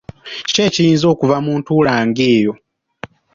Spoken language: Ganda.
Kiki ekiyinza okuva mu ntuula ng’eyo?